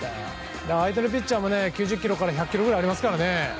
相手のピッチャーも９０キロから１００キロぐらいありますから。